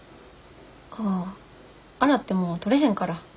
ああ洗っても取れへんから。